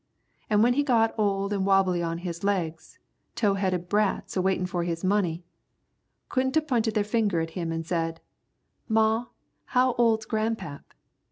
An' when he got old an' wobbly on his legs, tow headed brats a waitin' for his money couldn't a p'inted their fingers at him an' said, 'Ma, how old's grandpap?'